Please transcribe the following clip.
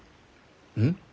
うん？